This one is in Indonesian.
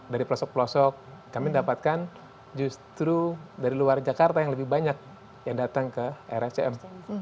dari pelosok pelosok kami dapatkan justru dari luar jakarta yang lebih banyak yang datang ke rscm